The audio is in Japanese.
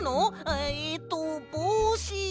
えっとぼうし。